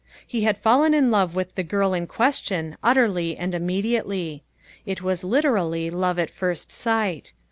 He had fallen in love with the girl in question utterly and immediately. It was literally love at first sight.